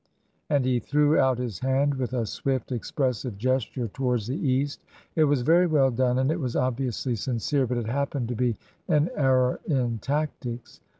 And he threw out his hand with a swift, expressive gesture towards the East. It was very well done, and it was obviously sincere ; but it happened to be an error in tactics.